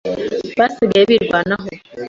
Basigaye birwanaho.